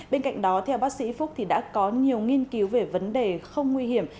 bên cạnh đó theo bác sĩ phúc thì đã có nhiều nghiên cứu về vấn đề không nguy hiểm